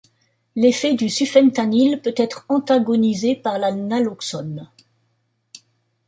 L'effet du sufentanil peut être antagonisé par la naloxone.